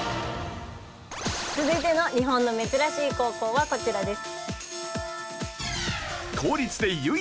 続いての日本の珍しい高校はこちらです。